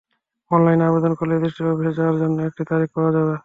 অনলাইনে আবেদন করলে রেজিস্ট্রি অফিসে যাওয়ার জন্য একটি তারিখ পাওয়া যাবে।